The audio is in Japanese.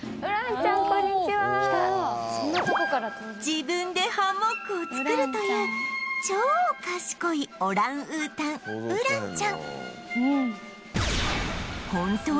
自分でハンモックを作るという超賢いオランウータンウランちゃん